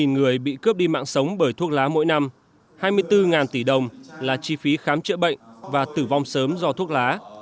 một mươi người bị cướp đi mạng sống bởi thuốc lá mỗi năm hai mươi bốn tỷ đồng là chi phí khám chữa bệnh và tử vong sớm do thuốc lá